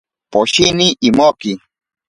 Poshini imoki.